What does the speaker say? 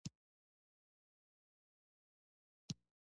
نبي کريم ص وفرمايل علم ترلاسی په هر مسلمان فرض دی.